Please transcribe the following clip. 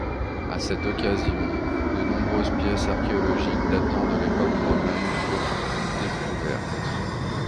À cette occasion, de nombreuses pièces archéologiques datant de l'époque romaine furent découvertes.